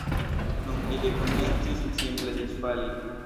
Nun ili komencis simple disfali.